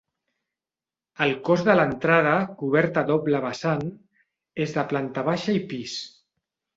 El cos de l'entrada, cobert a doble vessant, és de planta baixa i pis.